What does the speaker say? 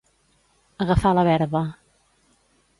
Agafar la verba.